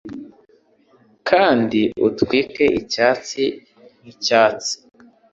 Kandi utwike icyatsi nk'icyatsi.